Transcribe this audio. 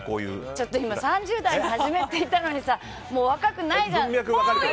ちょっと今３０代の初めって言ったのにもう若くないじゃんって。